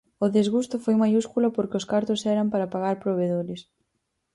O desgusto foi maiúsculo porque os cartos eran para pagar provedores.